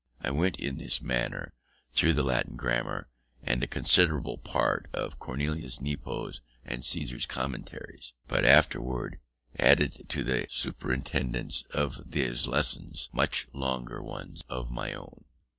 I went in this manner through the Latin grammar, and a considerable part of Cornelius Nepos and Caesar's Commentaries, but afterwards added to the superintendence of these lessons, much longer ones of my own.